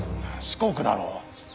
四国だろう。